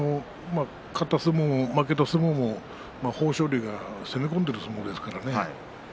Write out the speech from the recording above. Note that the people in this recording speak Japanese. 勝った相撲も負けた相撲も豊昇龍が攻め込んでいる相撲ですからね。